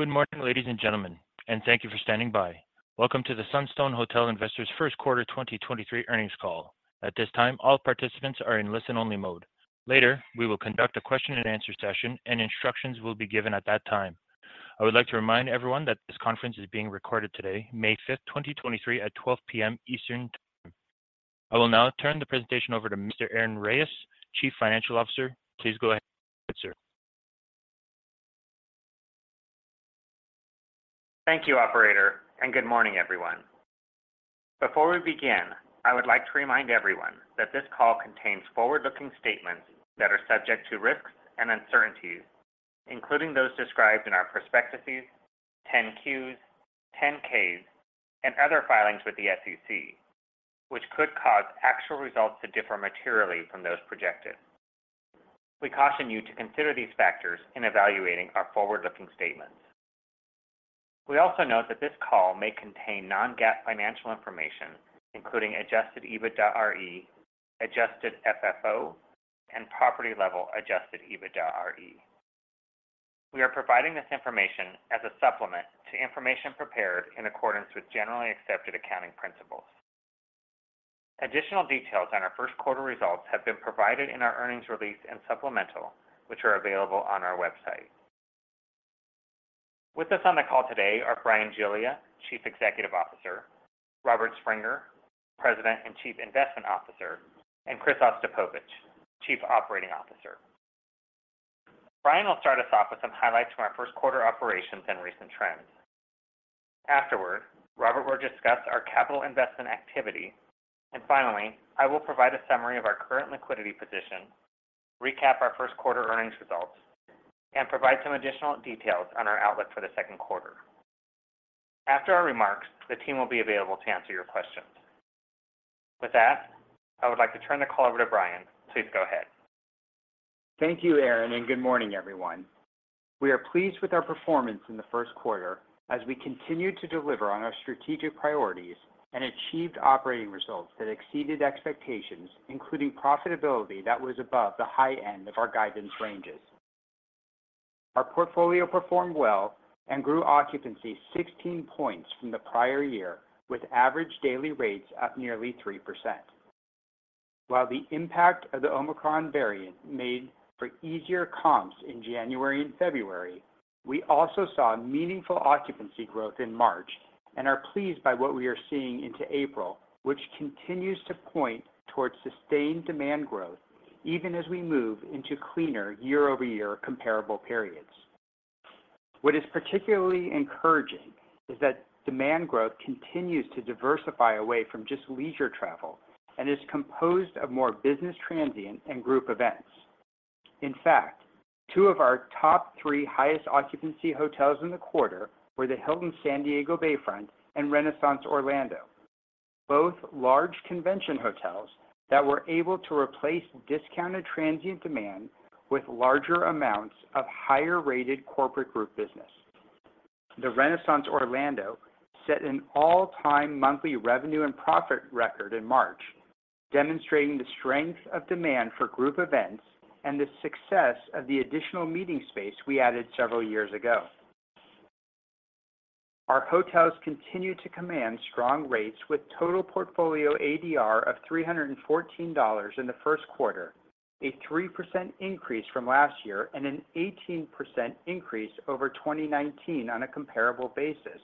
Good morning, ladies and gentlemen, thank you for standing by. Welcome to the Sunstone Hotel Investors First Quarter 2023 Earnings Call. At this time, all participants are in listen-only mode. Later, we will conduct a question-and-answer session and instructions will be given at that time. I would like to remind everyone that this conference is being recorded today, May 5th, 2023 at 12:00 P.M. Eastern time. I will now turn the presentation over to Mr. Aaron Reyes, Chief Financial Officer. Please go ahead, sir. Thank you, Operator. Good morning, everyone. Before we begin, I would like to remind everyone that this call contains forward-looking statements that are subject to risks and uncertainties, including those described in our prospectuses, 10-Qs, 10-Ks, and other filings with the SEC, which could cause actual results to differ materially from those projected. We caution you to consider these factors in evaluating our forward-looking statements. We also note that this call may contain non-GAAP financial information, including Adjusted EBITDAre, Adjusted FFO, and property level Adjusted EBITDAre. We are providing this information as a supplement to information prepared in accordance with generally accepted accounting principles. Additional details on our first quarter results have been provided in our earnings release and supplemental, which are available on our website. With us on the call today are Bryan Giglia, Chief Executive Officer, Robert Springer, President and Chief Investment Officer, and Chris Ostapovicz, Chief Operating Officer. Bryan will start us off with some highlights from our first quarter operations and recent trends. Afterward, Robert will discuss our capital investment activity. Finally, I will provide a summary of our current liquidity position, recap our first quarter earnings results, and provide some additional details on our outlook for the second quarter. After our remarks, the team will be available to answer your questions. With that, I would like to turn the call over to Bryan. Please go ahead. Thank you, Aaron, and good morning, everyone. We are pleased with our performance in the first quarter as we continued to deliver on our strategic priorities and achieved operating results that exceeded expectations, including profitability that was above the high end of our guidance ranges. Our portfolio performed well and grew occupancy 16 points from the prior year with average daily rates up nearly 3%. While the impact of the Omicron variant made for easier comps in January and February, we also saw meaningful occupancy growth in March and are pleased by what we are seeing into April, which continues to point towards sustained demand growth even as we move into cleaner year-over-year comparable periods. What is particularly encouraging is that demand growth continues to diversify away from just leisure travel and is composed of more business transient and group events. In fact, two of our top three highest occupancy hotels in the quarter were the Hilton San Diego Bayfront and Renaissance Orlando, both large convention hotels that were able to replace discounted transient demand with larger amounts of higher rated corporate group business. The Renaissance Orlando set an all-time monthly revenue and profit record in March, demonstrating the strength of demand for group events and the success of the additional meeting space we added several years ago. Our hotels continued to command strong rates with total portfolio ADR of $314 in the first quarter, a 3% increase from last year and an 18% increase over 2019 on a comparable basis,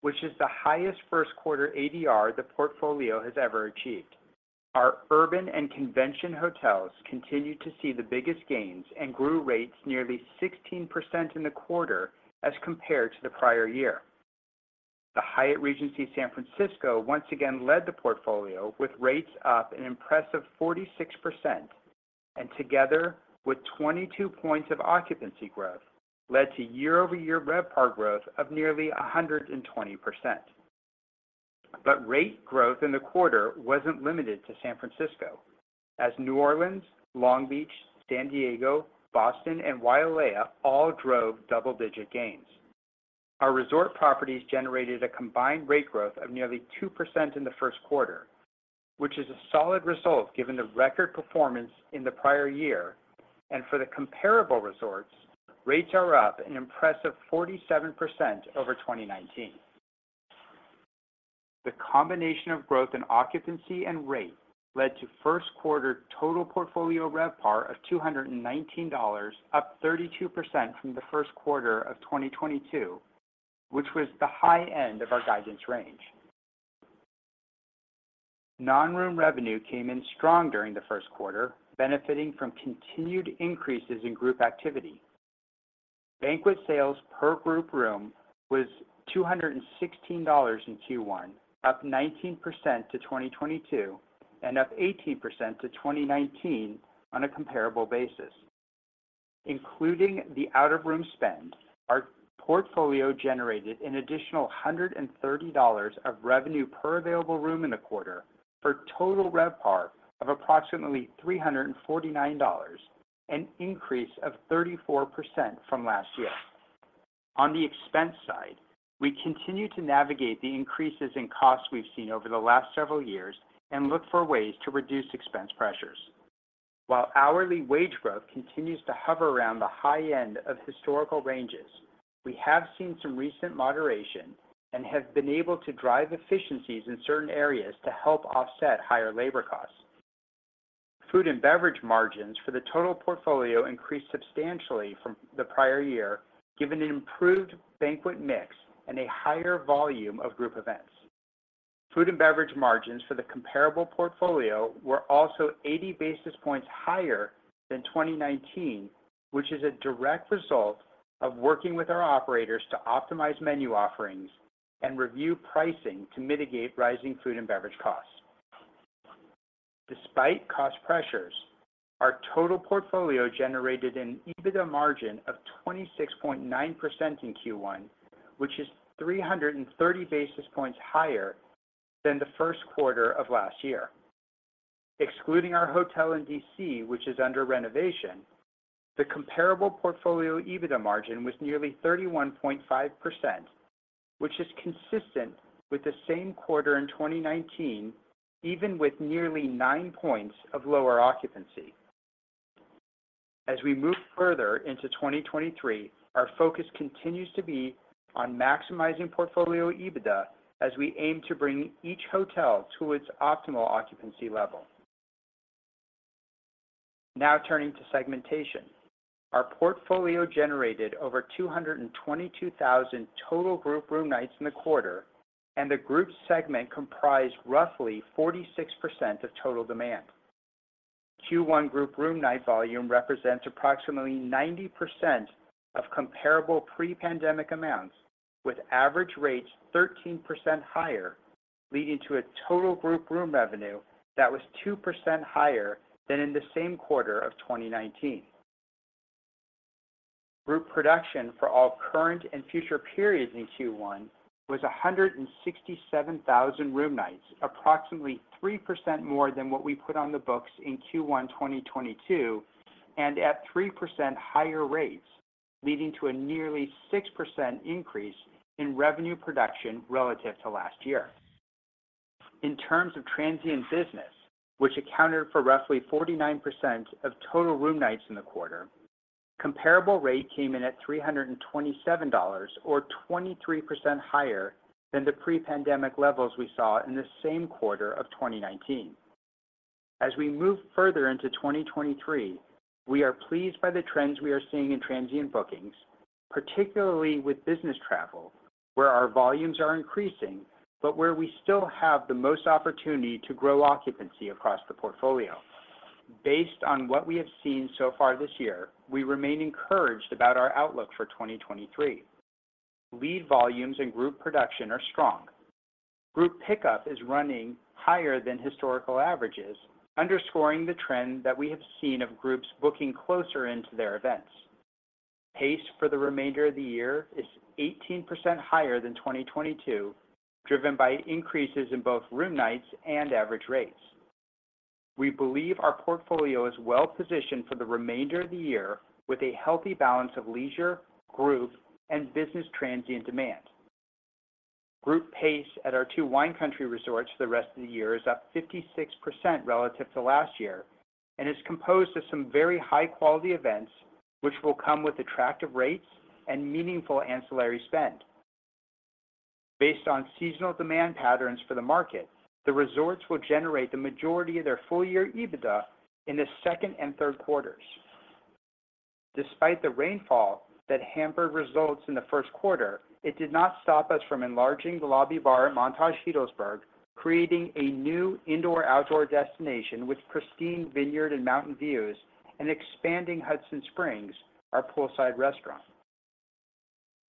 which is the highest first quarter ADR the portfolio has ever achieved. Our urban and convention hotels continued to see the biggest gains and grew rates nearly 16% in the quarter as compared to the prior year. The Hyatt Regency San Francisco once again led the portfolio with rates up an impressive 46% and together with 22 points of occupancy growth led to year-over-year RevPAR growth of nearly 120%. Rate growth in the quarter wasn't limited to San Francisco as New Orleans, Long Beach, San Diego, Boston, and Wailea all drove double-digit gains. Our resort properties generated a combined rate growth of nearly 2% in the first quarter, which is a solid result given the record performance in the prior year. For the comparable resorts, rates are up an impressive 47% over 2019. The combination of growth in occupancy and rate led to first quarter total portfolio RevPAR of $219, up 32% from the first quarter of 2022, which was the high end of our guidance range. Non-room revenue came in strong during the first quarter, benefiting from continued increases in group activity. Banquet sales per group room was $216 in Q1, up 19% to 2022, and up 18% to 2019 on a comparable basis. Including the out-of-room spend, our portfolio generated an additional $130 of revenue per available room in the quarter for total RevPAR of approximately $349, an increase of 34% from last year. On the expense side. We continue to navigate the increases in costs we've seen over the last several years and look for ways to reduce expense pressures. While hourly wage growth continues to hover around the high end of historical ranges, we have seen some recent moderation and have been able to drive efficiencies in certain areas to help offset higher labor costs. Food and beverage margins for the total portfolio increased substantially from the prior year, given an improved banquet mix and a higher volume of group events. Food and beverage margins for the comparable portfolio were also 80 basis points higher than 2019, which is a direct result of working with our operators to optimize menu offerings and review pricing to mitigate rising food and beverage costs. Despite cost pressures, our total portfolio generated an EBITDA margin of 26.9% in Q1, which is 330 basis points higher than the first quarter of last year. Excluding our hotel in D.C., which is under renovation, the comparable portfolio EBITDA margin was nearly 31.5%, which is consistent with the same quarter in 2019, even with nearly 9 points of lower occupancy. As we move further into 2023, our focus continues to be on maximizing portfolio EBITDA as we aim to bring each hotel to its optimal occupancy level. Turning to segmentation. Our portfolio generated over 222,000 total group room nights in the quarter, and the group segment comprised roughly 46% of total demand. Q1 group room night volume represents approximately 90% of comparable pre-pandemic amounts, with average rates 13% higher, leading to a total group room revenue that was 2% higher than in the same quarter of 2019. Group production for all current and future periods in Q1 was 167,000 room nights, approximately 3% more than what we put on the books in Q1 2022, and at 3% higher rates, leading to a nearly 6% increase in revenue production relative to last year. In terms of transient business, which accounted for roughly 49% of total room nights in the quarter, comparable rate came in at $327 or 23% higher than the pre-pandemic levels we saw in the same quarter of 2019. As we move further into 2023, we are pleased by the trends we are seeing in transient bookings, particularly with business travel, where our volumes are increasing, but where we still have the most opportunity to grow occupancy across the portfolio. Based on what we have seen so far this year, we remain encouraged about our outlook for 2023. Lead volumes and group production are strong. Group pickup is running higher than historical averages, underscoring the trend that we have seen of groups booking closer into their events. Pace for the remainder of the year is 18% higher than 2022, driven by increases in both room nights and average rates. We believe our portfolio is well positioned for the remainder of the year with a healthy balance of leisure, group, and business transient demand. Group pace at our two Wine Country resorts for the rest of the year is up 56% relative to last year and is composed of some very high-quality events which will come with attractive rates and meaningful ancillary spend. Based on seasonal demand patterns for the market, the resorts will generate the majority of their full-year EBITDA in the second and third quarters. Despite the rainfall that hampered results in the first quarter, it did not stop us from enlarging the lobby bar at Montage Healdsburg, creating a new indoor-outdoor destination with pristine vineyard and mountain views, and expanding Hudson Springs, our poolside restaurant.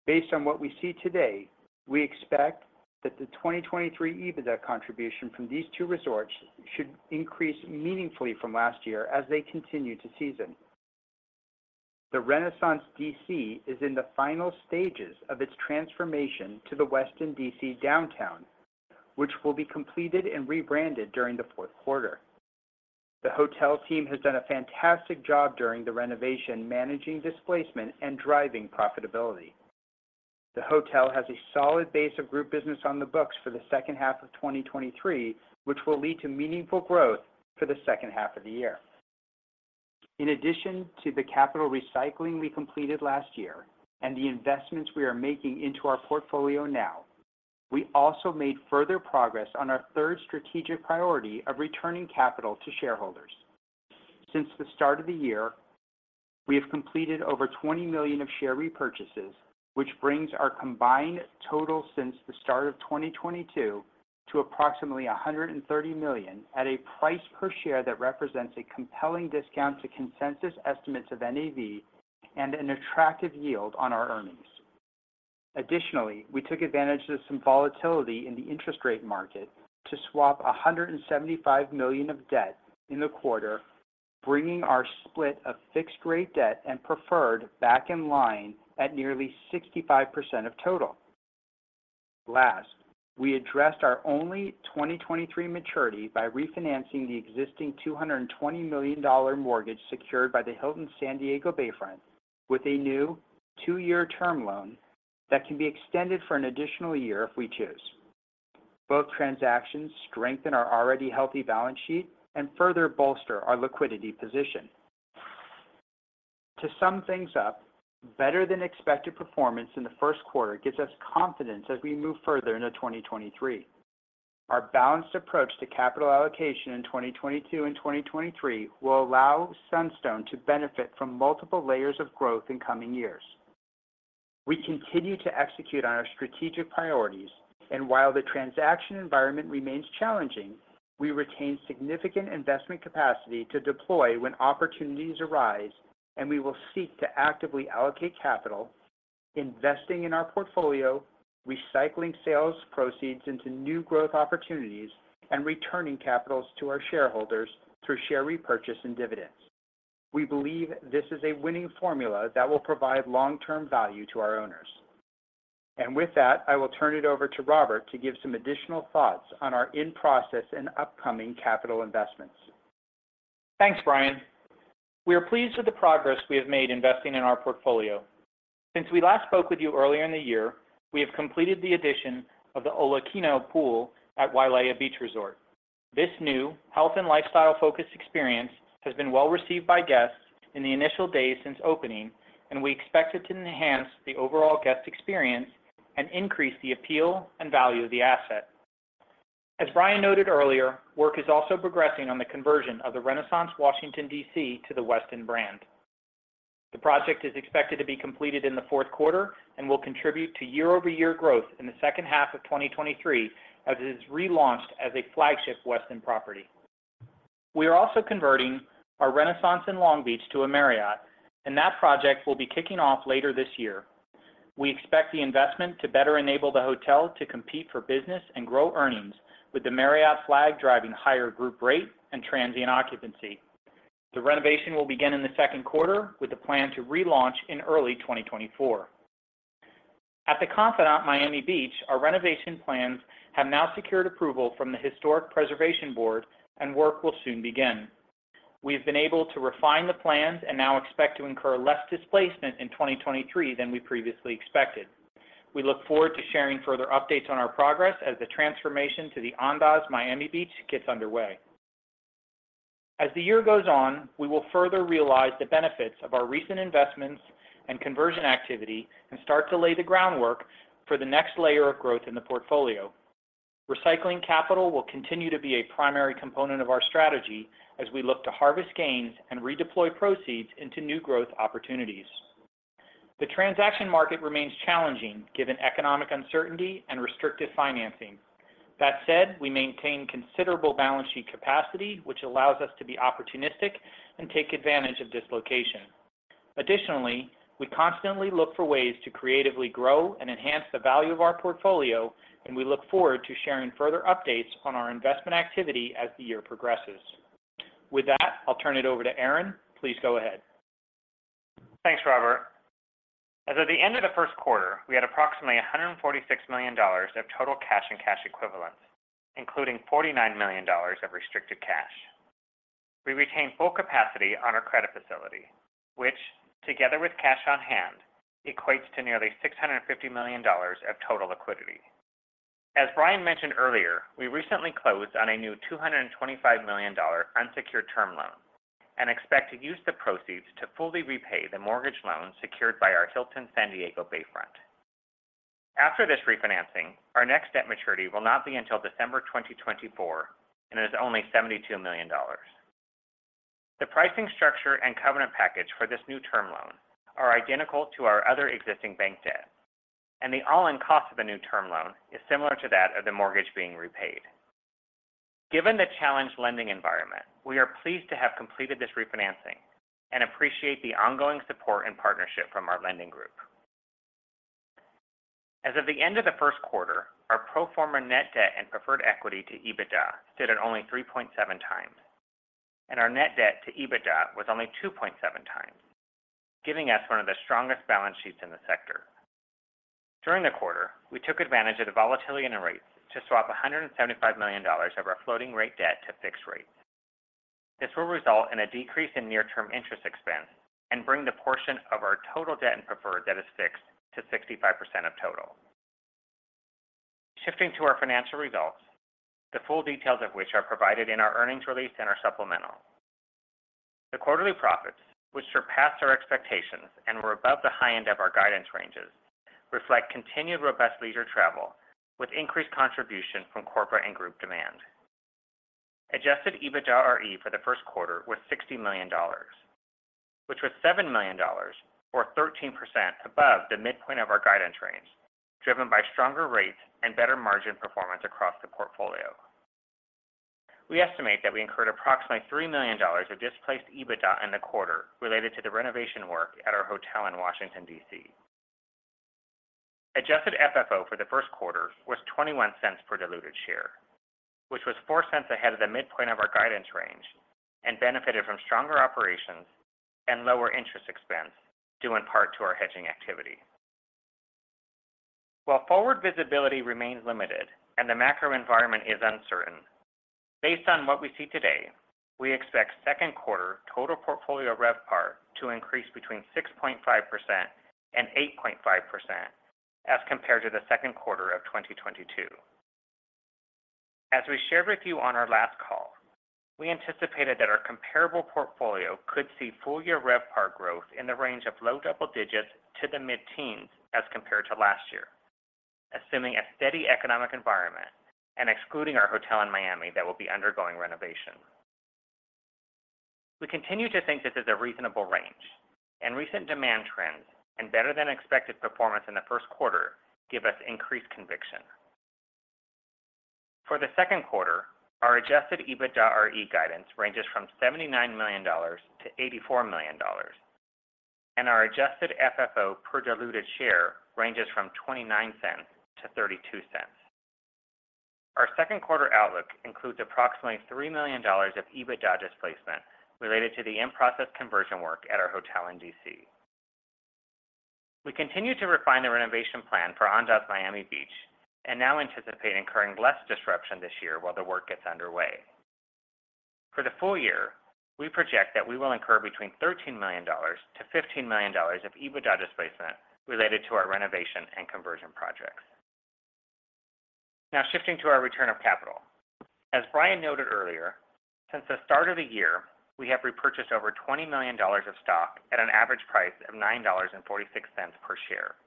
Based on what we see today, we expect that the 2023 EBITDA contribution from these two resorts should increase meaningfully from last year as they continue to season. The Renaissance D.C. is in the final stages of its transformation to the Westin D.C. Downtown, which will be completed and rebranded during the fourth quarter. The hotel team has done a fantastic job during the renovation, managing displacement and driving profitability. The hotel has a solid base of group business on the books for the second half of 2023, which will lead to meaningful growth for the second half of the year. In addition to the capital recycling we completed last year and the investments we are making into our portfolio now, we also made further progress on our third strategic priority of returning capital to shareholders. Since the start of the year, we have completed over $20 million of share repurchases, which brings our combined total since the start of 2022 to approximately $130 million at a price per share that represents a compelling discount to consensus estimates of NAV and an attractive yield on our earnings. We took advantage of some volatility in the interest rate market to swap $175 million of debt in the quarter, bringing our split of fixed-rate debt and preferred back in line at nearly 65% of total. Last, we addressed our only 2023 maturity by refinancing the existing $220 million mortgage secured by the Hilton San Diego Bayfront with a new two-year term loan that can be extended for an additional year if we choose. Both transactions strengthen our already healthy balance sheet and further bolster our liquidity position. To sum things up, better than expected performance in the first quarter gives us confidence as we move further into 2023. Our balanced approach to capital allocation in 2022 and 2023 will allow Sunstone to benefit from multiple layers of growth in coming years. We continue to execute on our strategic priorities, and while the transaction environment remains challenging, we retain significant investment capacity to deploy when opportunities arise and we will seek to actively allocate capital, investing in our portfolio, recycling sales proceeds into new growth opportunities, and returning capitals to our shareholders through share repurchase and dividends. We believe this is a winning formula that will provide long-term value to our owners. With that, I will turn it over to Robert to give some additional thoughts on our in-process and upcoming capital investments. Thanks, Bryan. We are pleased with the progress we have made investing in our portfolio. Since we last spoke with you earlier in the year, we have completed the addition of the Olakino Pool at Wailea Beach Resort. This new health and lifestyle-focused experience has been well-received by guests in the initial days since opening, and we expect it to enhance the overall guest experience and increase the appeal and value of the asset. As Bryan noted earlier, work is also progressing on the conversion of the Renaissance Washington, D.C. to the Westin brand. The project is expected to be completed in the fourth quarter and will contribute to year-over-year growth in the second half of 2023 as it is relaunched as a flagship Westin property. We are also converting our Renaissance in Long Beach to a Marriott, and that project will be kicking off later this year. We expect the investment to better enable the hotel to compete for business and grow earnings, with the Marriott flag driving higher group rate and transient occupancy. The renovation will begin in the second quarter with a plan to relaunch in early 2024. At The Confidante Miami Beach, our renovation plans have now secured approval from the Historic Preservation Board, and work will soon begin. We have been able to refine the plans and now expect to incur less displacement in 2023 than we previously expected. We look forward to sharing further updates on our progress as the transformation to the Andaz Miami Beach gets underway. As the year goes on, we will further realize the benefits of our recent investments and conversion activity and start to lay the groundwork for the next layer of growth in the portfolio. Recycling capital will continue to be a primary component of our strategy as we look to harvest gains and redeploy proceeds into new growth opportunities. The transaction market remains challenging given economic uncertainty and restrictive financing. That said, we maintain considerable balance sheet capacity, which allows us to be opportunistic and take advantage of dislocation. Additionally, we constantly look for ways to creatively grow and enhance the value of our portfolio, and we look forward to sharing further updates on our investment activity as the year progresses. With that, I'll turn it over to Aaron. Please go ahead. Thanks, Robert. As of the end of the first quarter, we had approximately $146 million of total cash and cash equivalents, including $49 million of restricted cash. We retain full capacity on our credit facility, which together with cash on hand, equates to nearly $650 million of total liquidity. As Bryan mentioned earlier, we recently closed on a new $225 million unsecured term loan and expect to use the proceeds to fully repay the mortgage loan secured by our Hilton San Diego Bayfront. After this refinancing, our next debt maturity will not be until December 2024, and it is only $72 million. The pricing structure and covenant package for this new term loan are identical to our other existing bank debt, and the all-in cost of the new term loan is similar to that of the mortgage being repaid. Given the challenged lending environment, we are pleased to have completed this refinancing and appreciate the ongoing support and partnership from our lending group. As of the end of the first quarter, our pro forma net debt and preferred equity to EBITDA stood at only 3.7x, and our net debt to EBITDA was only 2.7x, giving us one of the strongest balance sheets in the sector. During the quarter, we took advantage of the volatility in the rates to swap $175 million of our floating rate debt to fixed rate. This will result in a decrease in near-term interest expense and bring the portion of our total debt and preferred that is fixed to 65% of total. Shifting to our financial results, the full details of which are provided in our earnings release and are supplemental. The quarterly profits, which surpassed our expectations and were above the high end of our guidance ranges, reflect continued robust leisure travel with increased contribution from corporate and group demand. Adjusted EBITDAre for the first quarter was $60 million, which was $7 million or 13% above the midpoint of our guidance range, driven by stronger rates and better margin performance across the portfolio. We estimate that we incurred approximately $3 million of displaced EBITDA in the quarter related to the renovation work at our hotel in Washington, D.C. Adjusted FFO for the first quarter was $0.21 per diluted share, which was $0.04 ahead of the midpoint of our guidance range and benefited from stronger operations and lower interest expense due in part to our hedging activity. While forward visibility remains limited and the macro environment is uncertain, based on what we see today, we expect second quarter total portfolio RevPAR to increase between 6.5% and 8.5% as compared to the second quarter of 2022. As we shared with you on our last call, we anticipated that our comparable portfolio could see full year RevPAR growth in the range of low double digits to the mid-teens as compared to last year, assuming a steady economic environment and excluding our hotel in Miami that will be undergoing renovation. We continue to think this is a reasonable range, and recent demand trends and better-than-expected performance in the first quarter give us increased conviction. For the second quarter, our Adjusted EBITDAre guidance ranges from $79 million-$84 million, and our Adjusted FFO per diluted share ranges from $0.29-$0.32. Our second quarter outlook includes approximately $3 million of EBITDA displacement related to the in-process conversion work at our hotel in D.C. We continue to refine the renovation plan for Andaz Miami Beach and now anticipate incurring less disruption this year while the work gets underway. For the full year, we project that we will incur between $13 million-$15 million of EBITDA displacement related to our renovation and conversion projects. Shifting to our return of capital. As Bryan noted earlier, since the start of the year, we have repurchased over $20 million of stock at an average price of $9.46 per share,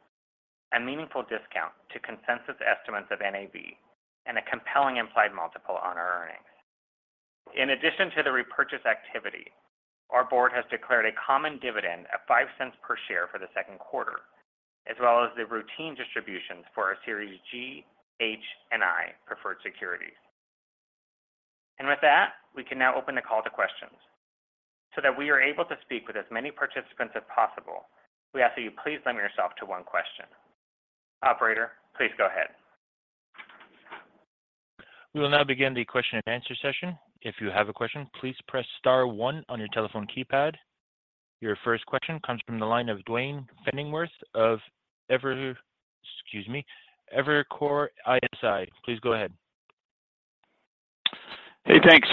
a meaningful discount to consensus estimates of NAV and a compelling implied multiple on our earnings. In addition to the repurchase activity, our board has declared a common dividend of $0.05 per share for the second quarter, as well as the routine distributions for our Series G, H, and I preferred securities. With that, we can now open the call to questions. That we are able to speak with as many participants as possible, we ask that you please limit yourself to one question. Operator, please go ahead. We will now begin the question-and-answer session. If you have a question, please press star one on your telephone keypad. Your first question comes from the line of Duane Pfennigwerth of Evercore ISI. Please go ahead. Hey, thanks.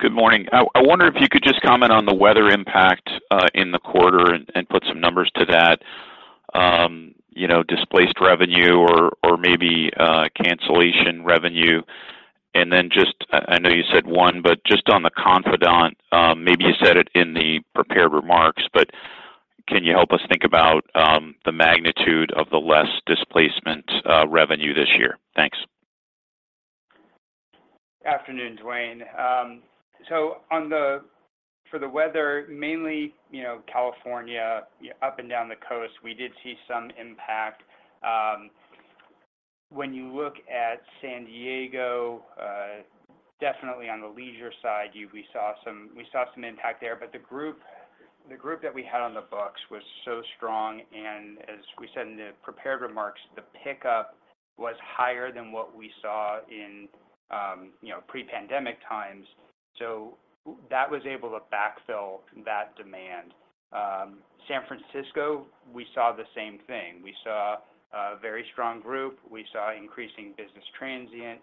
Good morning. I wonder if you could just comment on the weather impact, in the quarter and put some numbers to that, you know, displaced revenue or maybe, cancellation revenue. I know you said one, but just on the Confidante, maybe you said it in the prepared remarks, but can you help us think about, the magnitude of the less displacement, revenue this year? Thanks. Afternoon, Duane. For the weather, mainly, you know, California, up and down the coast, we did see some impact. When you look at San Diego, definitely on the leisure side, we saw some impact there. The group that we had on the books was so strong, and as we said in the prepared remarks, the pickup was higher than what we saw in, you know, pre-pandemic times. That was able to backfill that demand. San Francisco, we saw the same thing. We saw a very strong group. We saw increasing business transient.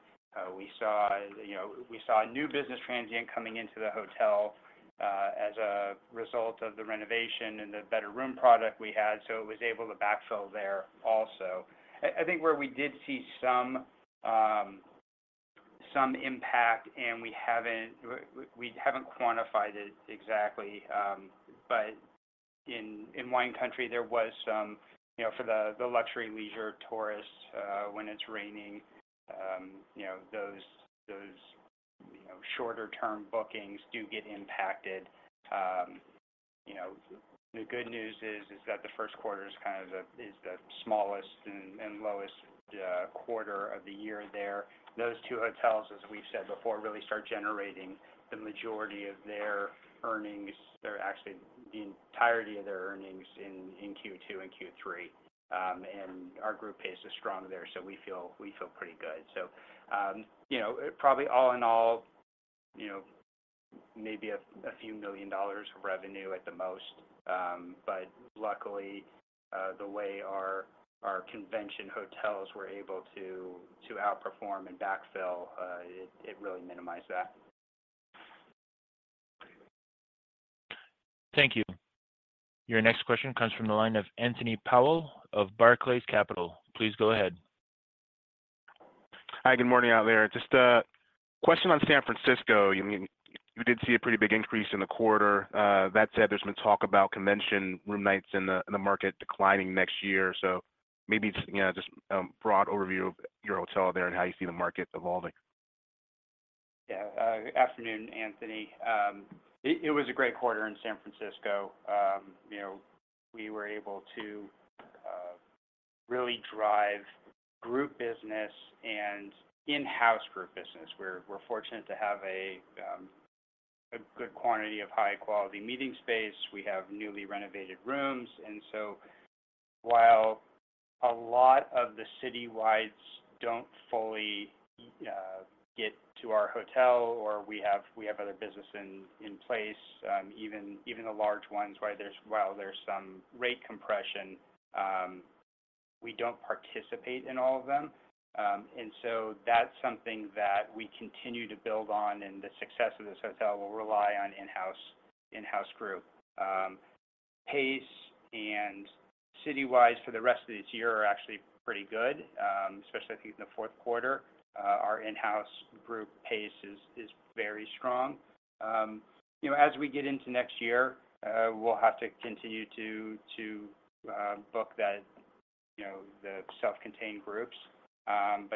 We saw, you know, new business transient coming into the hotel, as a result of the renovation and the better room product we had, it was able to backfill there also. I think where we did see some impact, we haven't quantified it exactly, in wine country, there was some, you know, for the luxury leisure tourists, when it's raining, you know, those shorter-term bookings do get impacted. You know, the good news is that the first quarter is kind of the smallest and lowest quarter of the year there. Those two hotels, as we've said before, really start generating the majority of their earnings. They're actually the entirety of their earnings in Q2 and Q3. Our group pace is strong there, we feel pretty good. You know, probably all in all, you know, maybe a few million dollars of revenue at the most. Luckily, the way our convention hotels were able to outperform and backfill, it really minimized that. Thank you. Your next question comes from the line of Anthony Powell of Barclays Capital. Please go ahead. Hi, good morning out there. Just a question on San Francisco. You did see a pretty big increase in the quarter. That said, there's been talk about convention room nights in the market declining next year. Maybe just, you know, just a broad overview of your hotel there and how you see the market evolving. Yeah. Afternoon, Anthony. It was a great quarter in San Francisco. You know, we were able to really drive group business and enhance We're fortunate to have a good quantity of high-quality meeting space. We have newly renovated rooms. While a lot of the city-wides don't fully get to our hotel or we have other business in place, even the large ones while there's some rate compression, we don't participate in all of them. That's something that we continue to build on, and the success of this hotel will rely on in-house group. Pace and city-wide for the rest of this year are actually pretty good, especially I think in the fourth quarter, our in-house group pace is very strong. You know, as we get into next year, we'll have to continue to book that, you know, the self-contained groups.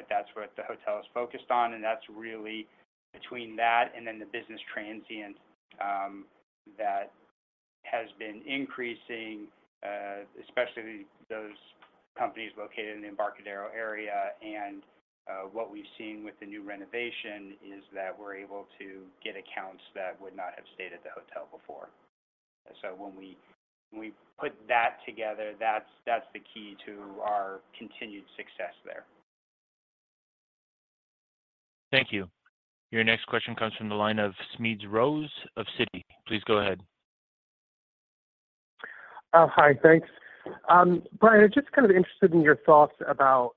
That's what the hotel is focused on, and that's really between that and then the business transient, that has been increasing, especially those companies located in the Embarcadero area. What we've seen with the new renovation is that we're able to get accounts that would not have stayed at the hotel before. When we put that together, that's the key to our continued success there. Thank you. Your next question comes from the line of Smedes Rose of Citi. Please go ahead. Hi. Thanks. Bryan, I'm just kind of interested in your thoughts about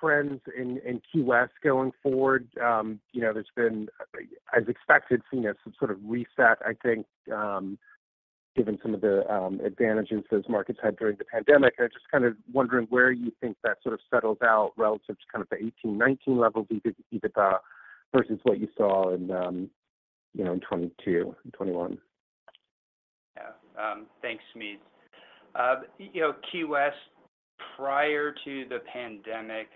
trends in Key West going forward. You know, there's been, as expected, you know, some sort of reset, I think, given some of the advantages those markets had during the pandemic. I'm just kind of wondering where you think that sort of settles out relative to kind of the 2018, 2019 levels EBITDA versus what you saw in, you know, in 2022 and 2021. Yeah. Thanks, Smedes. You know Key West, prior to the pandemic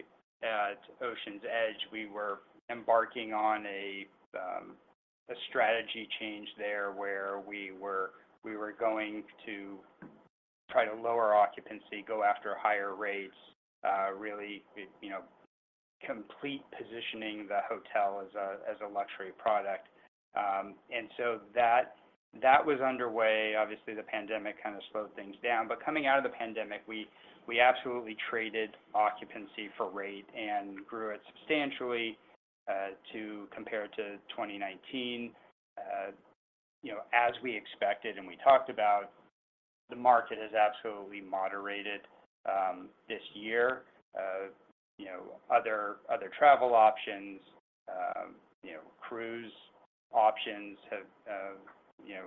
at Oceans Edge, we were embarking on a strategy change there, where we were going to try to lower occupancy, go after higher rates, really, you know, complete positioning the hotel as a luxury product. That was underway. Obviously, the pandemic kind of slowed things down. Coming out of the pandemic, we absolutely traded occupancy for rate and grew it substantially, compared to 2019. You know, as we expected and we talked about, the market has absolutely moderated this year. You know, other travel options, you know, cruise options have, you know,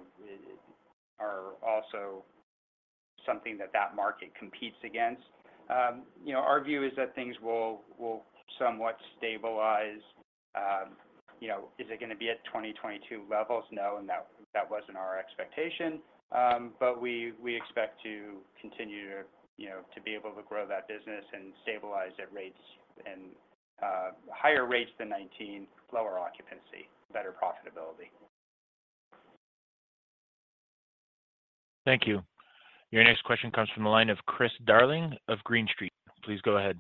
are also something that market competes against. You know, our view is that things will somewhat stabilize. You know, is it gonna be at 2022 levels? No. That, that wasn't our expectation. We, we expect to continue to, you know, to be able to grow that business and stabilize at rates and, higher rates than 2019, lower occupancy, better profitability. Thank you. Your next question comes from the line of Chris Darling of Green Street. Please go ahead.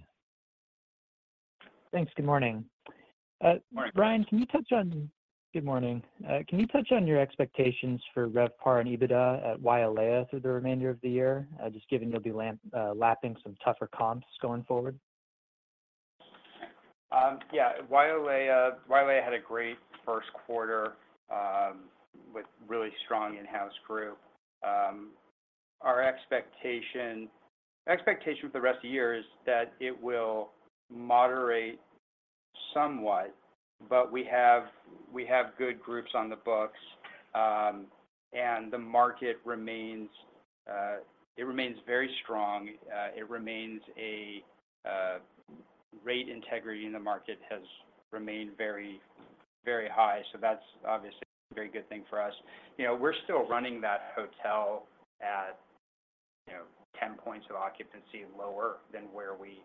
Thanks. Good morning. Good morning. Good morning. Bryan, can you touch on your expectations for RevPAR and EBITDA at Wailea through the remainder of the year, just given you'll be lapping some tougher comps going forward? Yeah. Wailea had a great first quarter with really strong in-house group. Our expectation for the rest of the year is that it will moderate somewhat, but we have good groups on the books. The market remains very strong. Rate integrity in the market has remained very high, so that's obviously a very good thing for us. You know, we're still running that hotel at, you know, 10 points of occupancy lower than where we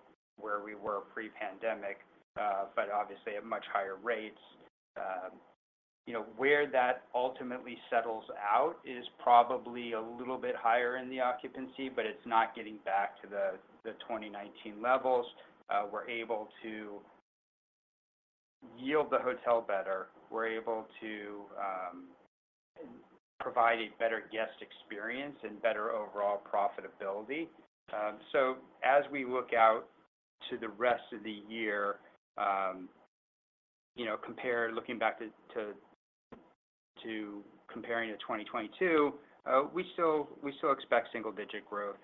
were pre-pandemic, but obviously at much higher rates. You know, where that ultimately settles out is probably a little bit higher in the occupancy, but it's not getting back to the 2019 levels. We're able to yield the hotel better. We're able to provide a better guest experience and better overall profitability. As we look out to the rest of the year, you know, looking back to comparing to 2022, we still expect single-digit growth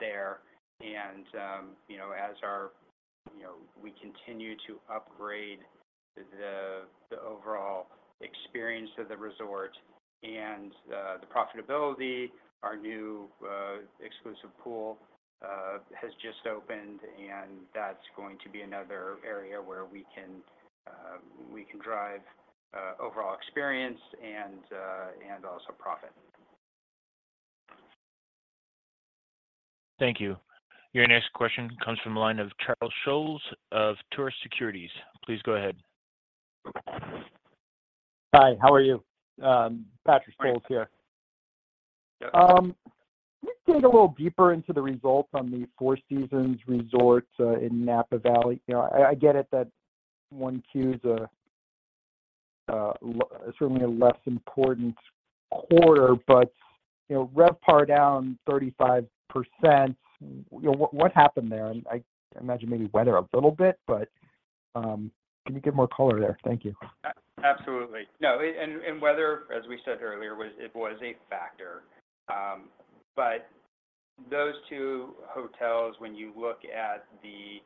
there. As our, you know, we continue to upgrade the overall experience of the resort and the profitability, our new exclusive pool has just opened, and that's going to be another area where we can drive overall experience and also profit. Thank you. Your next question comes from the line of [Patrick] Scholes of Truist Securities. Please go ahead. Hi, how are you? Patrick Scholes here. Good. Can you get a little deeper into the results on the Four Seasons resorts in Napa Valley? You know, I get it that 1Q's a certainly a less important quarter, but, you know, RevPAR down 35%. You know, what happened there? I imagine maybe weather a little bit, but can you give more color there? Thank you. Absolutely. No, weather, as we said earlier, was a factor. Those two hotels, when you look at the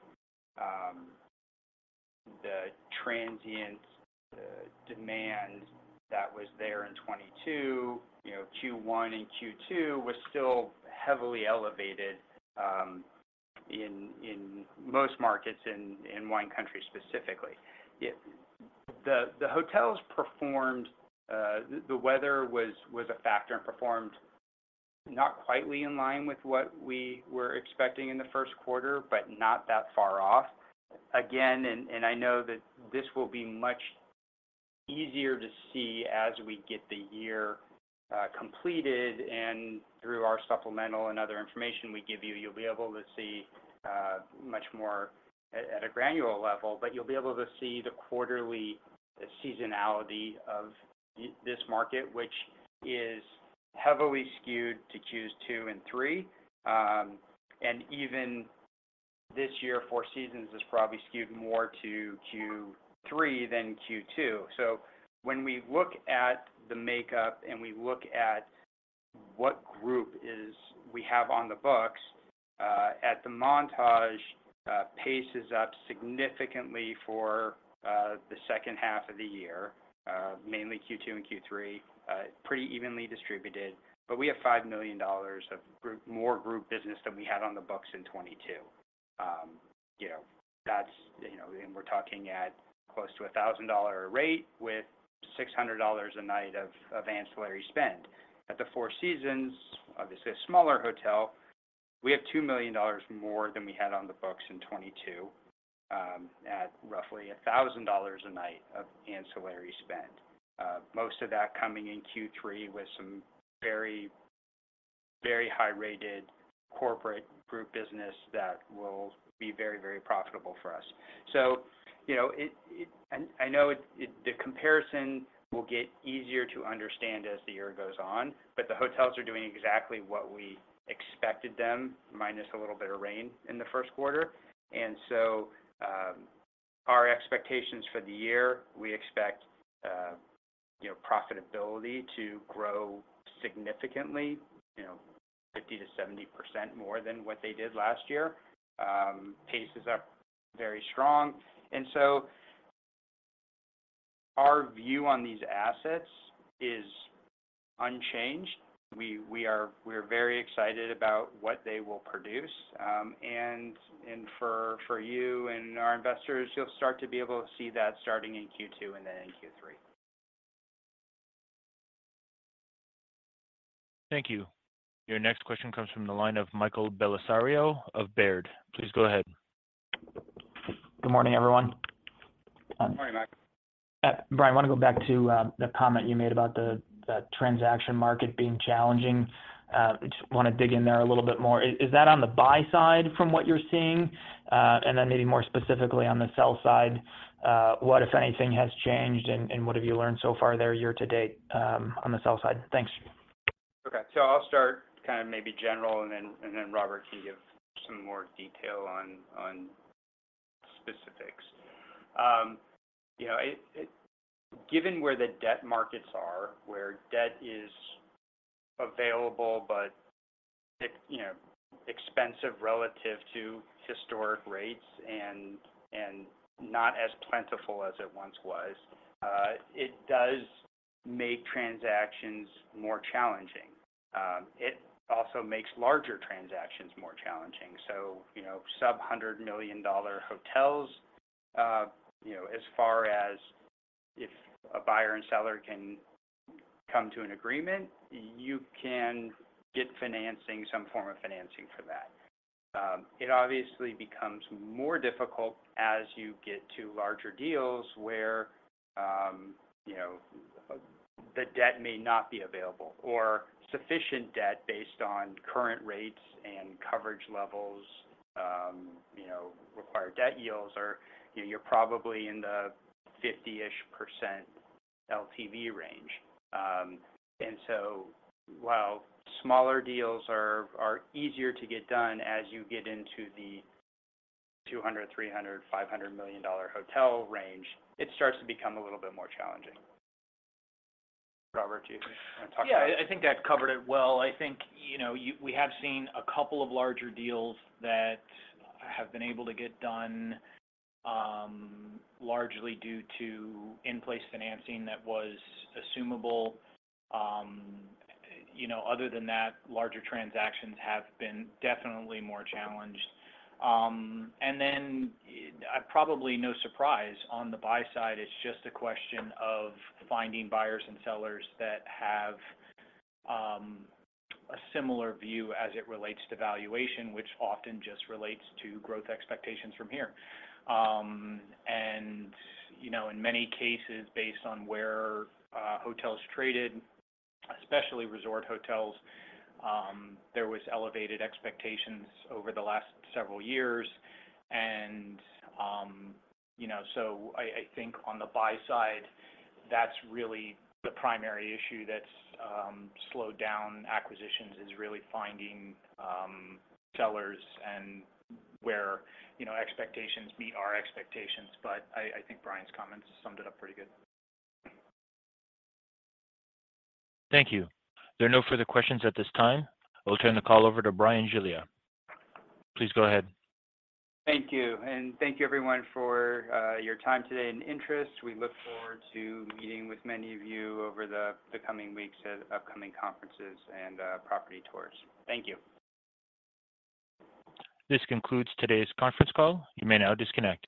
transient demand that was there in 2022, you know, Q1 and Q2 was still heavily elevated in most markets in wine country specifically. The hotels performed. The weather was a factor and performed not quite in line with what we were expecting in the first quarter, but not that far off. Again, I know that this will be much easier to see as we get the year completed, and through our supplemental and other information we give you'll be able to see much more at a granular level. You'll be able to see the quarterly seasonality of this market, which is heavily skewed to Q2 and Q3. Even this year, Four Seasons is probably skewed more to Q3 than Q2. When we look at the makeup and we look at what group we have on the books, at the Montage, paces up significantly for the second half of the year, mainly Q2 and Q3, pretty evenly distributed. We have $5 million of group, more group business than we had on the books in 2022. You know, that's, we're talking at close to a $1,000 a rate with $600 a night of ancillary spend. At the Four Seasons, obviously a smaller hotel, we have $2 million more than we had on the books in 2022, at roughly $1,000 a night of ancillary spend. Most of that coming in Q3 with some very, very high-rated corporate group business that will be very, very profitable for us. You know, I know the comparison will get easier to understand as the year goes on, but the hotels are doing exactly what we expected them, minus a little bit of rain in the first quarter. Our expectations for the year, we expect, you know, profitability to grow significantly, you know, 50%-70% more than what they did last year. Pace is up very strong. Our view on these assets is unchanged. We are very excited about what they will produce. For you and our investors, you'll start to be able to see that starting in Q2 and then in Q3. Thank you. Your next question comes from the line of Michael Bellisario of Baird. Please go ahead. Good morning, everyone. Good morning, Mike. Bryan, I wanna go back to the comment you made about the transaction market being challenging. Just wanna dig in there a little bit more. Is that on the buy side from what you're seeing? Maybe more specifically on the sell side, what, if anything, has changed, and what have you learned so far there year to date on the sell side? Thanks. Okay. I'll start kind of maybe general and then, and then Robert can give some more detail on specifics. You know, it given where the debt markets are, where debt is available, but you know, expensive relative to historic rates and not as plentiful as it once was, it does make transactions more challenging. It also makes larger transactions more challenging. You know, sub $100 million hotels, you know, as far as if a buyer and seller can come to an agreement, you can get financing, some form of financing for that. It obviously becomes more difficult as you get to larger deals where, you know, the debt may not be available or sufficient debt based on current rates and coverage levels, you know, required debt yields or, you know, you're probably in the 50%-ish LTV range. While smaller deals are easier to get done as you get into the $200 million, $300 million, $500 million hotel range, it starts to become a little bit more challenging. Robert, do you wanna talk about- Yeah. I think that covered it well. I think, you know, we have seen a couple of larger deals that have been able to get done, largely due to in-place financing that was assumable. You know, other than that, larger transactions have been definitely more challenged. Then, probably no surprise, on the buy side, it's just a question of finding buyers and sellers that have a similar view as it relates to valuation, which often just relates to growth expectations from here. You know, in many cases, based on where hotels traded, especially resort hotels, there was elevated expectations over the last several years. You know, I think on the buy side, that's really the primary issue that's slowed down acquisitions is really finding sellers and where, you know, expectations meet our expectations. I think Bryan's comments summed it up pretty good. Thank you. There are no further questions at this time. I will turn the call over to Bryan Giglia. Please go ahead. Thank you. Thank you everyone for your time today and interest. We look forward to meeting with many of you over the coming weeks at upcoming conferences and property tours. Thank you. This concludes today's conference call. You may now disconnect.